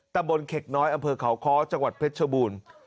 ตะบนเข็กน้อยอำเภอเขาค้อจังหวัดเพชรชบูรณ์